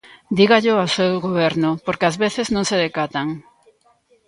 Dígallo ao seu goberno, porque ás veces non se decatan.